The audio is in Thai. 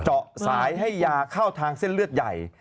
เจาะสายให้ยาเข้าทางเส้นเลือดใหญ่